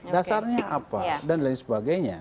dasarnya apa dan lain sebagainya